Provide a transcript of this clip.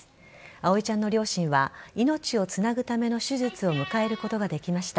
葵ちゃんの両親は命をつなぐための手術を迎えることができました